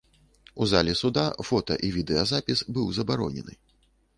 У залі суда фота і відэа запіс быў забаронены.